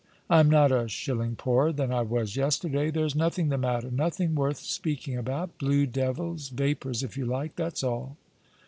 I am not a shilling poorer than I was yesterday. There is nothing the matter — nothing worth speaking about ; blue devils, vapours if you like. That's all."